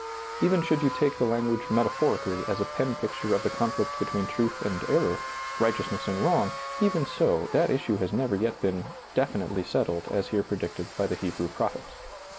Even should you take the language metaphorically as a pen picture of the conflict between truth and error, righteousness and wrong, even so, that issue has never yet been definitely settled as here predicted by the Hebrew prophet.